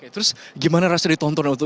terus gimana rasanya ditonton